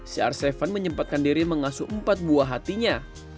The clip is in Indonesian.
cr tujuh menyempatkan diri mengasuh empat buah hatinya